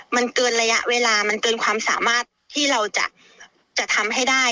มันเกินระยะเวลามันเกินความสามารถที่เราจะทำให้ได้